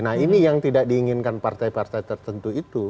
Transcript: nah ini yang tidak diinginkan partai partai tertentu itu